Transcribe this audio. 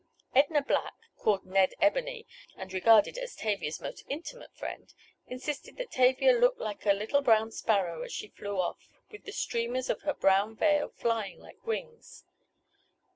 Edna Black, called Ned Ebony, and regarded as Tavia's most intimate friend, insisted that Tavia looked like a little brown sparrow, as she flew off, with the streamers of her brown veil flying like wings.